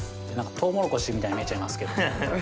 トウモロコシみたいに見えちゃいますけど。